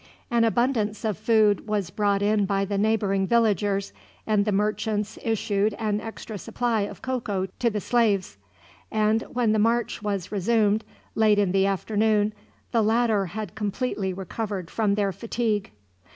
An abundance of food was brought in by the neighboring villagers, and the merchants issued an extra supply of cocoa to the slaves; and when the march was resumed, late in the afternoon, the latter had completely recovered from their fatigue.